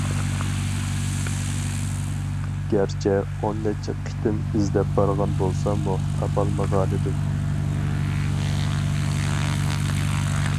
گەرچە ئون نەچچە قېتىم ئىزدەپ بارغان بولساممۇ تاپالمىغانىدىم.